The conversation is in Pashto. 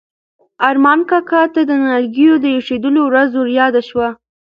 ارمان کاکا ته د نیالګیو د ایښودلو ورځ وریاده شوه.